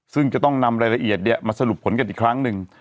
ซึ่งจะต้องนำรายละเอียดมาสรุปผลกันอีกครั้งหนึ่ง